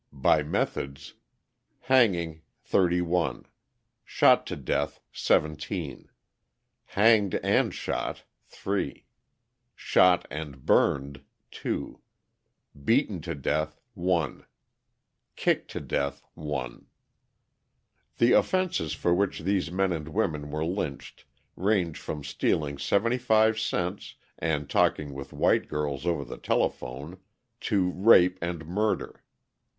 By methods: Hanging 31 Shot to death 17 Hanged and shot 3 Shot and burned 2 Beaten to death 1 Kicked to death 1 The offences for which these men and woman were lynched range from stealing seventy five cents and talking with white girls over the telephone, to rape and murder.